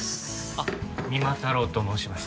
あっ三馬太郎と申します。